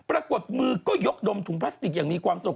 ปรากฏมือก็ยกดมถุงพลาสติกอย่างมีความสุข